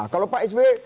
kalau pak s b